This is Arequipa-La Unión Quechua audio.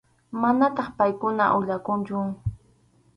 Manataq paykunata uyakunchu.